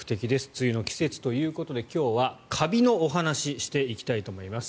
梅雨の季節ということで今日はカビのお話をしていきたいと思います。